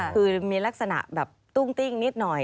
คือมีลักษณะแบบตุ้งติ้งนิดหน่อย